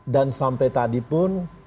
dan sampai tadi pun